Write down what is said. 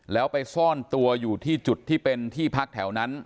แล้วไปซ่อนตัวอยู่ที่จุดที่เป็นที่พักแถวนั้น